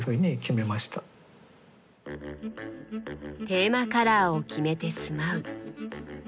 テーマカラーを決めて住まう。